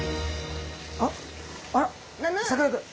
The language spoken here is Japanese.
あっあらさかなクン！